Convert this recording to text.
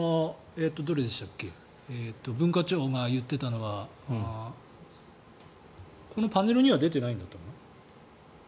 文化庁が言っていたのはこのパネルには出てないのかな。